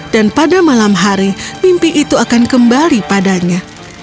dan pada malam hari mimpi itu akan kembali padanya